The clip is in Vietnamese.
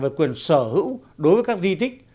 về quyền sở hữu đối với các di tích